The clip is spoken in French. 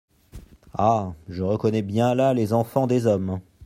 Ah !… je reconnais bien là les enfants des hommes…